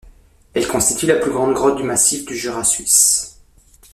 Elle constitue la plus grande grotte du massif du Jura suisse.